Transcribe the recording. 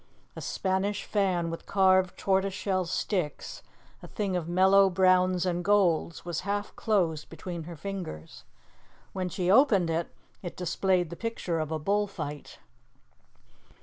A Spanish fan with carved tortoiseshell sticks, a thing of mellow browns and golds, was half closed between her fingers. When she opened it, it displayed the picture of a bull fight.